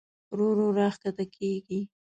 ورو ورو راښکته کېږي.